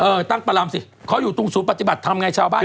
ตั้งประลำสิเขาอยู่ตรงศูนย์ปฏิบัติธรรมไงชาวบ้าน